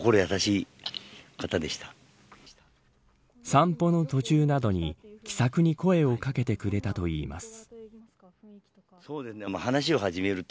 散歩の途中などに気さくに声をかけてくれたといいます。